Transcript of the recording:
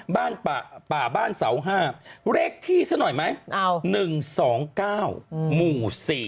บ้านป่าบ้านเสา๕เลขที่ซะหน่อยไหม๑๒๙หมู่๔